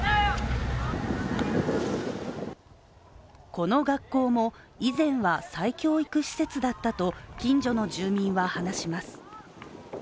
この学校も以前は、再教育施設だったと近所の住民は話します。